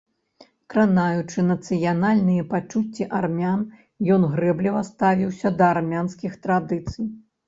Кранаючы нацыянальныя пачуцці армян, ён грэбліва ставіўся да армянскіх традыцый.